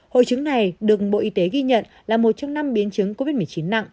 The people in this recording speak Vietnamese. hội chứng này được bộ y tế ghi nhận là một trong năm biến chứng covid một mươi chín nặng